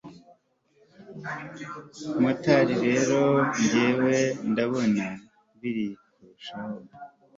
Motari rero njyewe ndabona biri kurushaho